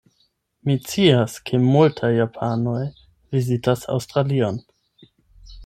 Mi scias ke multaj japanoj vizitas Aŭstralion.